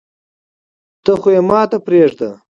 ته خو يي ماته پریږده